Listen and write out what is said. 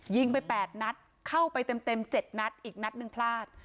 ยิงไป๘นัดเข้าไปเต็ม๗นัดอีกนัดหนึ่งพลาด